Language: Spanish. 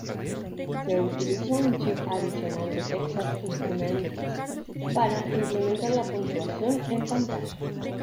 Se utilizó un chip adicional de Texas Instruments para implementar la puntuación en pantalla.